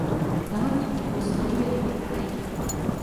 Na horním toku směřuje nejprve na jih.